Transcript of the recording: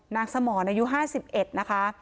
นางสมอายุ๕๑นะคะ